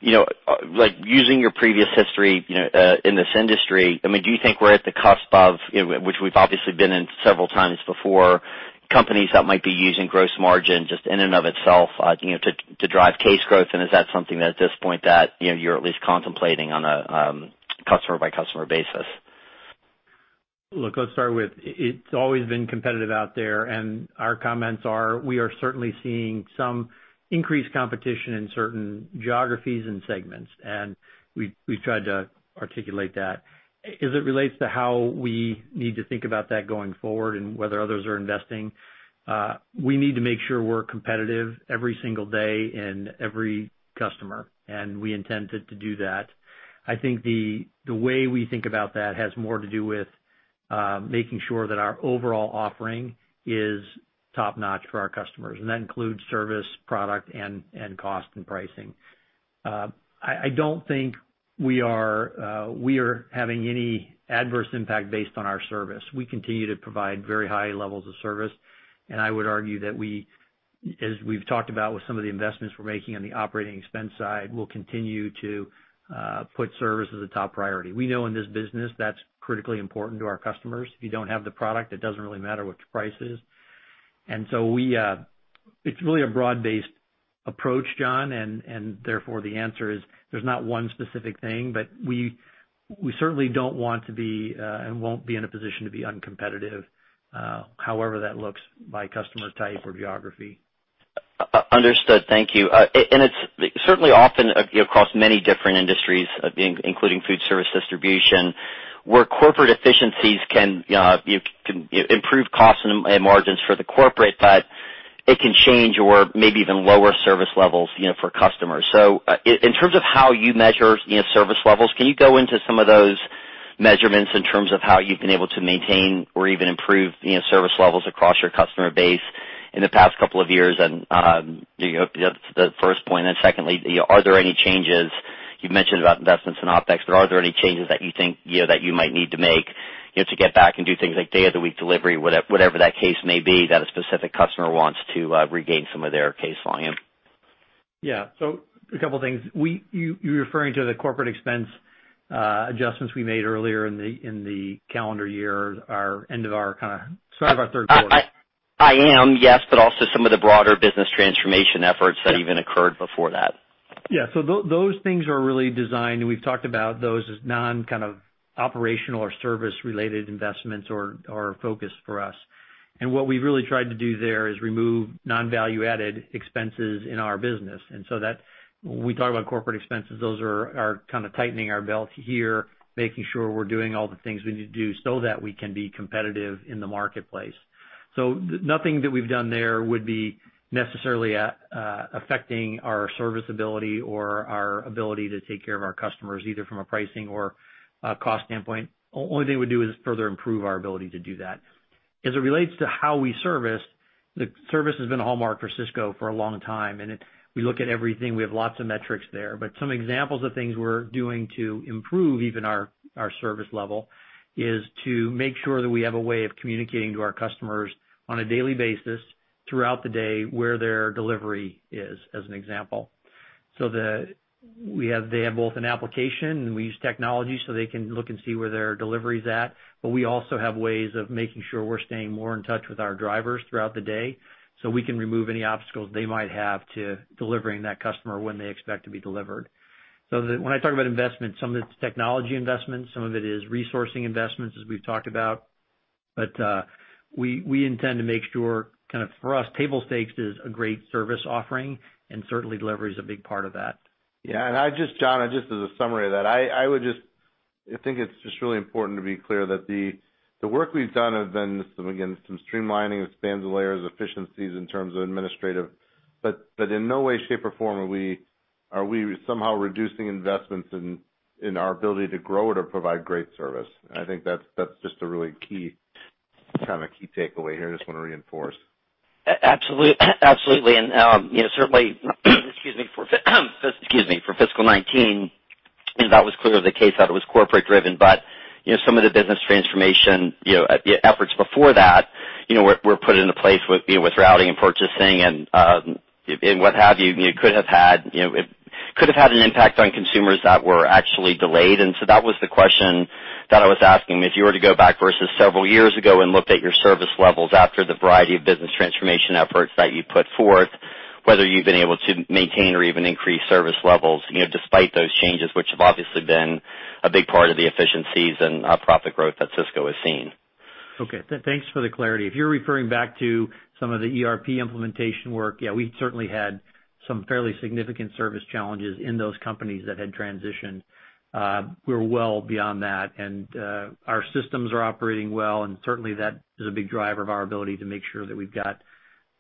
Like, using your previous history, in this industry, do you think we're at the cusp of, which we've obviously been in several times before, companies that might be using gross margin just in and of itself to drive case growth? Is that something that at this point that you're at least contemplating on a customer by customer basis? Look, let's start with, it's always been competitive out there, and our comments are, we are certainly seeing some increased competition in certain geographies and segments, and we've tried to articulate that. As it relates to how we need to think about that going forward and whether others are investing, we need to make sure we're competitive every single day in every customer, and we intend to do that. I think the way we think about that has more to do with making sure that our overall offering is top-notch for our customers, and that includes service, product, and cost and pricing. I don't think we are having any adverse impact based on our service. We continue to provide very high levels of service. I would argue that we, as we've talked about with some of the investments we're making on the operating expense side, we'll continue to put service as a top priority. We know in this business that's critically important to our customers. If you don't have the product, it doesn't really matter what your price is. It's really a broad-based approach, John. Therefore, the answer is there's not one specific thing, but we certainly don't want to be, and won't be in a position to be uncompetitive, however that looks by customer type or geography. Understood. Thank you. It's certainly often across many different industries, including foodservice distribution, where corporate efficiencies can improve cost and margins for the corporate, but it can change or maybe even lower service levels for customers. In terms of how you measure service levels, can you go into some of those measurements in terms of how you've been able to maintain or even improve service levels across your customer base in the past couple of years? That's the first point. Secondly, are there any changes, you've mentioned about investments in OpEx, but are there any changes that you think that you might need to make to get back and do things like day of the week delivery, whatever that case may be, that a specific customer wants to regain some of their case volume? Yeah. A couple of things. You're referring to the corporate expense adjustments we made earlier in the calendar year, start of our third quarter. I am, yes, but also some of the broader business transformation efforts that even occurred before that. Those things are really designed, we've talked about those as non kind of operational or service related investments or focus for us. What we've really tried to do there is remove non-value added expenses in our business. When we talk about corporate expenses, those are our kind of tightening our belt here, making sure we're doing all the things we need to do so that we can be competitive in the marketplace. Nothing that we've done there would be necessarily affecting our service ability or our ability to take care of our customers, either from a pricing or a cost standpoint. Only thing it would do is further improve our ability to do that. As it relates to how we service, the service has been a hallmark for Sysco for a long time, and we look at everything. We have lots of metrics there, some examples of things we're doing to improve even our service level is to make sure that we have a way of communicating to our customers on a daily basis throughout the day where their delivery is, as an example. They have both an application and we use technology so they can look and see where their delivery is at. We also have ways of making sure we're staying more in touch with our drivers throughout the day so we can remove any obstacles they might have to delivering that customer when they expect to be delivered. When I talk about investments, some of it's technology investments, some of it is resourcing investments, as we've talked about. We intend to make sure kind of for us, table stakes is a great service offering, and certainly delivery is a big part of that. Yeah. John, just as a summary of that, I think it's just really important to be clear that the work we've done has been some, again, some streamlining of spans of layers, efficiencies in terms of administrative, but in no way, shape, or form are we somehow reducing investments in our ability to grow or to provide great service. I think that's just a really key takeaway here I just want to reinforce. Absolutely. Certainly excuse me, for fiscal 2019, that was clearly the case, that it was corporate driven. Some of the business transformation efforts before that were put into place with routing and purchasing and what have you, it could have had an impact on consumers that were actually delayed. That was the question that I was asking. If you were to go back versus several years ago and looked at your service levels after the variety of business transformation efforts that you put forth, whether you've been able to maintain or even increase service levels despite those changes, which have obviously been a big part of the efficiencies and profit growth that Sysco has seen. Okay. Thanks for the clarity. If you're referring back to some of the ERP implementation work, yeah, we certainly had some fairly significant service challenges in those companies that had transitioned. We're well beyond that, and our systems are operating well, and certainly that is a big driver of our ability to make sure that we've got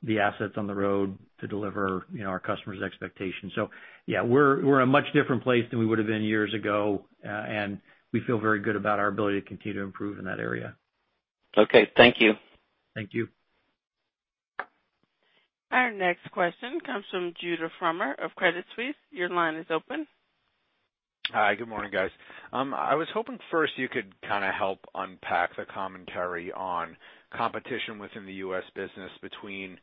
the assets on the road to deliver our customers' expectations. Yeah, we're in a much different place than we would've been years ago, and we feel very good about our ability to continue to improve in that area. Okay. Thank you. Thank you. Our next question comes from Judah Frommer of Credit Suisse. Your line is open. Hi. Good morning, guys. I was hoping first you could help unpack the commentary on competition within the U.S. business between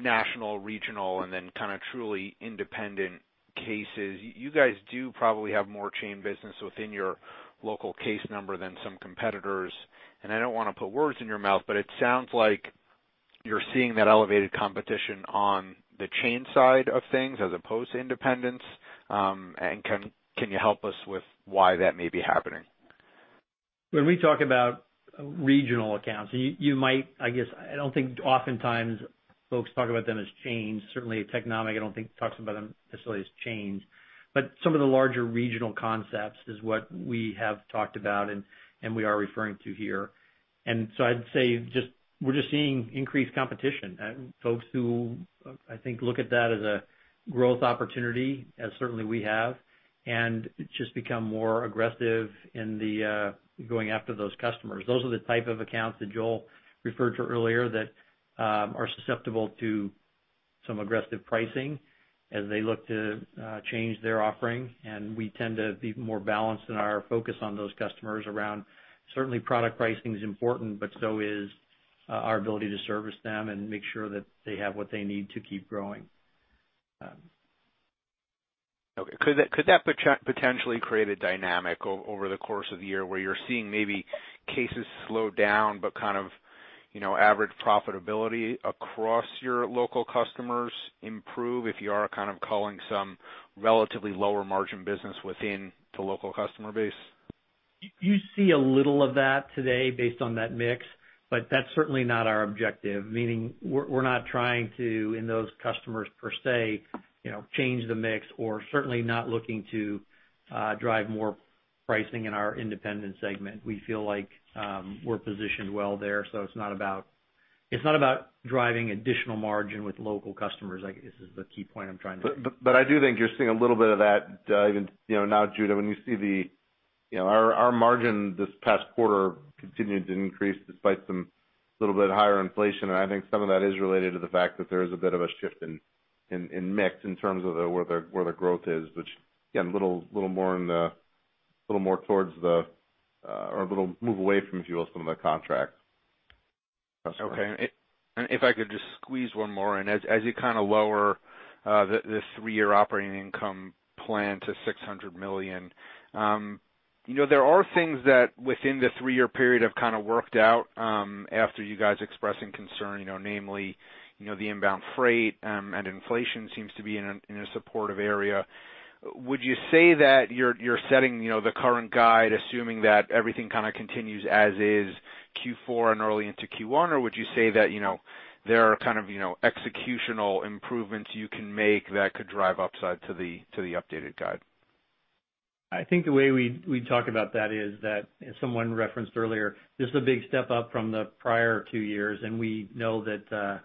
national, regional, and then truly independent cases. You guys do probably have more chain business within your local case number than some competitors, I don't want to put words in your mouth, but it sounds like you're seeing that elevated competition on the chain side of things as opposed to independents. Can you help us with why that may be happening? When we talk about regional accounts, I guess I don't think oftentimes folks talk about them as chains. Certainly at Technomic, I don't think talks about them necessarily as chains. Some of the larger regional concepts is what we have talked about and we are referring to here. I'd say we're just seeing increased competition. Folks who I think look at that as a growth opportunity, as certainly we have, and just become more aggressive in going after those customers. Those are the type of accounts that Joel referred to earlier that are susceptible to some aggressive pricing as they look to change their offering, and we tend to be more balanced in our focus on those customers around certainly product pricing is important, but so is our ability to service them and make sure that they have what they need to keep growing. Okay. Could that potentially create a dynamic over the course of the year where you're seeing maybe cases slow down, but kind of average profitability across your local customers improve if you are kind of culling some relatively lower margin business within the local customer base? You see a little of that today based on that mix. That's certainly not our objective, meaning we're not trying to, in those customers per se, change the mix or certainly not looking to drive more pricing in our independent segment. We feel like we're positioned well there. It's not about driving additional margin with local customers, I guess is the key point I'm trying to make. I do think you're seeing a little bit of that even now, Judah, when you see our margin this past quarter continued to increase despite some little bit higher inflation. I think some of that is related to the fact that there is a bit of a shift in mix in terms of where the growth is, which again, a little move away from fuel, some of the contract. Okay. If I could just squeeze one more in. As you kind of lower the three-year operating income plan to $600 million. There are things that within the three-year period have kind of worked out after you guys expressing concern, namely the inbound freight and inflation seems to be in a supportive area. Would you say that you're setting the current guide, assuming that everything kind of continues as is Q4 and early into Q1? Would you say that there are kind of executional improvements you can make that could drive upside to the updated guide? I think the way we talk about that is that, as someone referenced earlier, this is a big step up from the prior two years, and we know that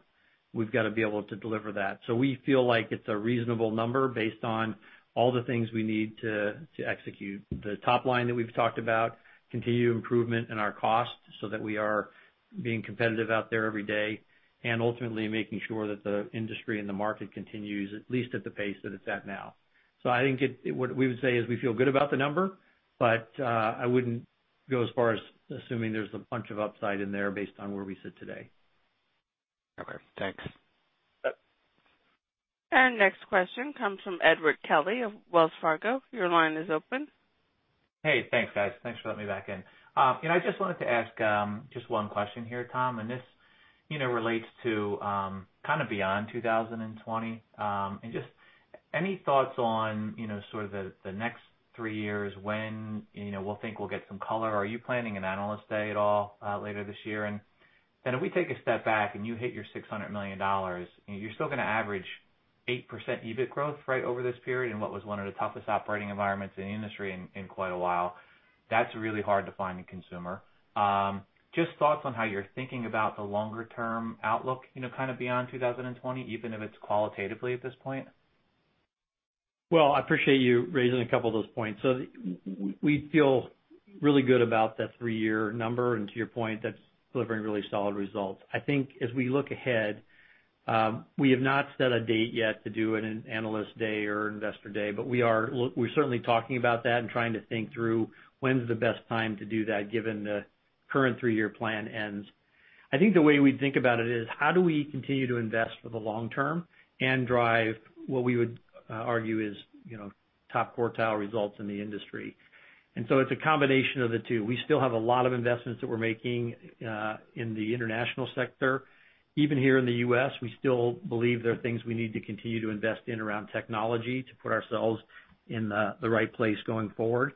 we've got to be able to deliver that. We feel like it's a reasonable number based on all the things we need to execute. The top line that we've talked about, continued improvement in our cost so that we are being competitive out there every day, and ultimately making sure that the industry and the market continues at least at the pace that it's at now. I think what we would say is we feel good about the number, but I wouldn't go as far as assuming there's a bunch of upside in there based on where we sit today. Okay, thanks. Our next question comes from Edward Kelly of Wells Fargo. Your line is open. Hey, thanks guys. Thanks for letting me back in. I just wanted to ask just one question here, Tom, and this relates to kind of beyond 2020. Just any thoughts on sort of the next three years when we'll think we'll get some color. Are you planning an Analyst Day at all later this year? If we take a step back and you hit your $600 million, you're still going to average 8% EBIT growth right over this period in what was one of the toughest operating environments in the industry in quite a while. That's really hard to find in consumer. Just thoughts on how you're thinking about the longer-term outlook kind of beyond 2020, even if it's qualitatively at this point. Well, I appreciate you raising a couple of those points. We feel really good about that three-year number, and to your point, that's delivering really solid results. I think as we look ahead, we have not set a date yet to do an Analyst Day or Investor Day, but we're certainly talking about that and trying to think through when's the best time to do that given the current three-year plan ends. I think the way we think about it is how do we continue to invest for the long term and drive what we would argue is top quartile results in the industry? It's a combination of the two. We still have a lot of investments that we're making in the international sector. Even here in the U.S., we still believe there are things we need to continue to invest in around technology to put ourselves in the right place going forward.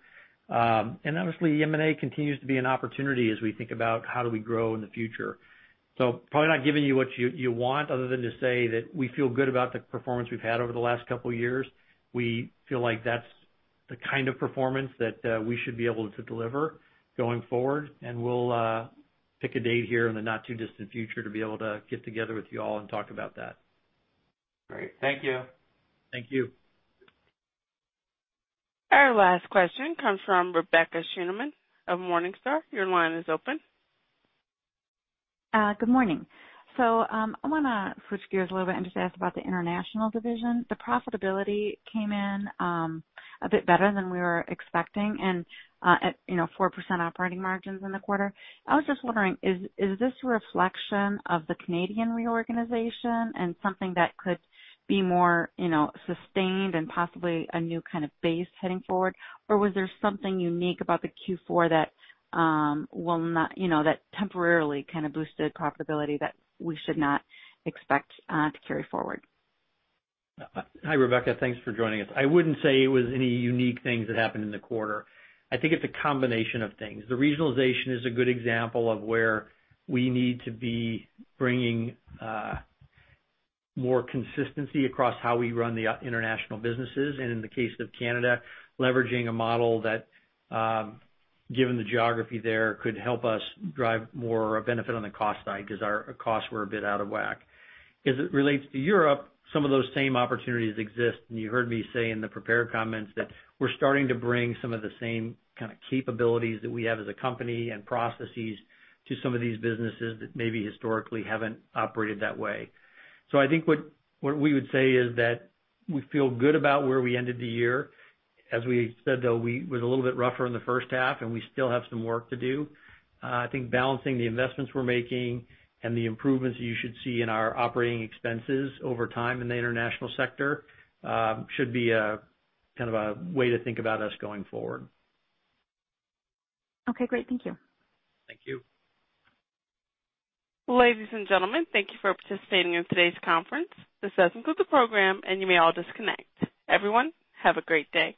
Obviously M&A continues to be an opportunity as we think about how do we grow in the future. Probably not giving you what you want other than to say that we feel good about the performance we've had over the last couple of years. We feel like that's the kind of performance that we should be able to deliver going forward, and we'll pick a date here in the not-too-distant future to be able to get together with you all and talk about that. Great. Thank you. Thank you. Our last question comes from Rebecca Scheuneman of Morningstar. Your line is open. Good morning. I want to switch gears a little bit and just ask about the international division. The profitability came in a bit better than we were expecting and at 4% operating margins in the quarter. I was just wondering, is this a reflection of the Canadian reorganization and something that could be more sustained and possibly a new kind of base heading forward? Or was there something unique about the Q4 that temporarily kind of boosted profitability that we should not expect to carry forward? Hi, Rebecca. Thanks for joining us. I wouldn't say it was any unique things that happened in the quarter. I think it's a combination of things. The regionalization is a good example of where we need to be bringing more consistency across how we run the international businesses, and in the case of Canada, leveraging a model that, given the geography there, could help us drive more benefit on the cost side because our costs were a bit out of whack. As it relates to Europe, some of those same opportunities exist, and you heard me say in the prepared comments that we're starting to bring some of the same kind of capabilities that we have as a company and processes to some of these businesses that maybe historically haven't operated that way. I think what we would say is that we feel good about where we ended the year. As we said, though, it was a little bit rougher in the first half, and we still have some work to do. I think balancing the investments we're making and the improvements you should see in our operating expenses over time in the international sector should be kind of a way to think about us going forward. Okay, great. Thank you. Thank you. Ladies and gentlemen, thank you for participating in today's conference. This does conclude the program, and you may all disconnect. Everyone, have a great day.